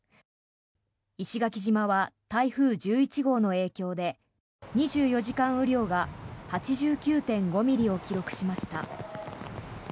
石垣島は台風１１号の影響で２４時間雨量が８９．５ミリを記録しました。